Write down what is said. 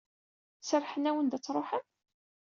Serrḥen-awen-d ad d-truḥem?.